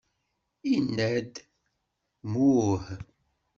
Inna-d: Mmuh!